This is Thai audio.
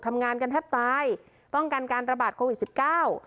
ทำงานกันแทบตายป้องกันการระบาดโควิดสิบเก้า